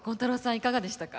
いかがでしたか？